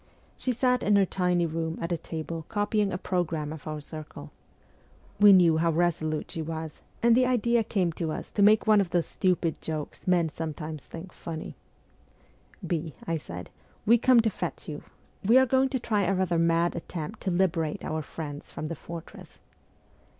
She sat in her tiny room at a table copying a programme of our circle. We knew how resolute s she was, and the idea came to us to make one of those stupid jokes men sometimes think funny. ' B.,' I said, ' we come to fetch you : we are going to try a rather mad attempt to liberate our friends from the fortress.'